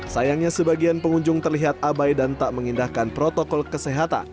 sayangnya sebagian pengunjung terlihat abai dan tak mengindahkan protokol kesehatan